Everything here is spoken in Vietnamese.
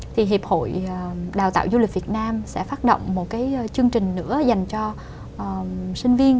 thì hiệp hội đào tạo du lịch việt nam sẽ phát động một cái chương trình nữa dành cho sinh viên